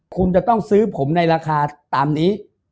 คุณจะต้องซื้อผมในราคาตามนี้